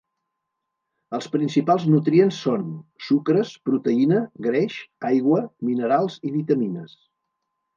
Els principals nutrients són: sucres, proteïna, greix, aigua, minerals i vitamines.